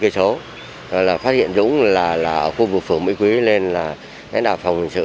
rồi là phát hiện dũng là ở khu vực phường mỹ quý nên là đại đạo phòng hình sự